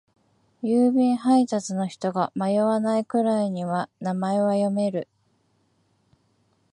郵便配達の人が迷わないくらいには名前は読める。